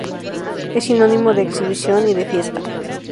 Es sinónimo de exhibición y de fiesta.